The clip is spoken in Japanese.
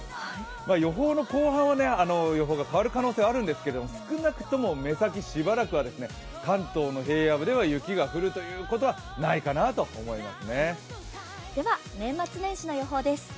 予報の後半は予報が変わる可能性があるんですけれども少なくとも目先しばらくは関東の平野部では雪が降るということはないかなと思います。